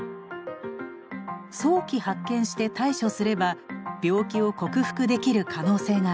早期発見して対処すれば病気を克服できる可能性があります。